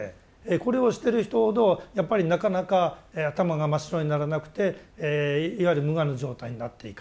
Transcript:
これをしてる人ほどやっぱりなかなか頭が真っ白にならなくていわゆる無我の状態になっていかない。